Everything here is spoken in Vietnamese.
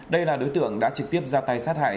đây là đối tượng đã trực tiếp ra tay sát hại